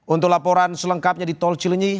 untuk laporan selengkapnya di tol cilinyi